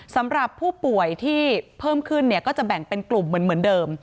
สำหรับผู้ป่วยที่เพิ่มขึ้นก็จะแบ่งเป็นกลุ่มเหมือนเดิม